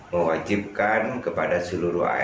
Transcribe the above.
mewajibkan kepada seluruh pemilik